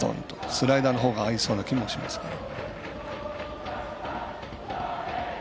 スライダーの方が合いそうな気がしますけど。